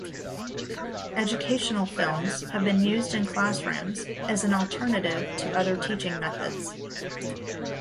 Educational films have been used in classrooms as an alternative to other teaching methods.